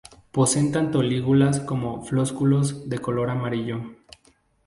Poseen tanto lígulas como flósculos, de color amarillo.